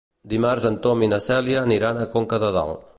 Dimarts en Tom i na Cèlia aniran a Conca de Dalt.